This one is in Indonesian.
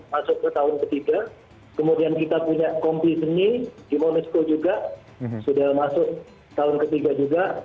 masuk ke tahun ketiga kemudian kita punya kompi seni di monesco juga sudah masuk tahun ketiga juga